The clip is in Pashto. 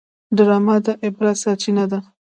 ډرامه د عبرت سرچینه ده